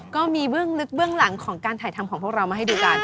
เบื้องลึกเบื้องหลังของการถ่ายทำของพวกเรามาให้ดูกัน